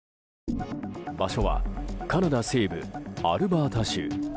場所はカナダ西部アルバータ州。